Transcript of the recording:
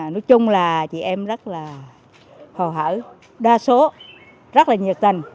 nói chung là chị em rất là hồ hở đa số rất là nhiệt tình